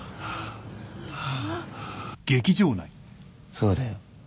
そうだよ。